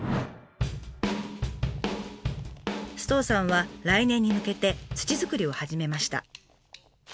首藤さんは来年に向けて土作りを始めました。